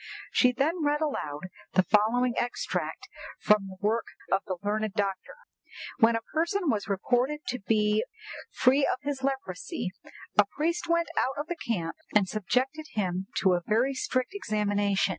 She then read aloud the following extract from the work of the learned doctor: "'When a person was reported to be free of his leprosy, a priest went out of the camp and subjected him to a very strict examination.